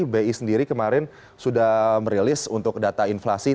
bi sendiri kemarin sudah merilis untuk data inflasi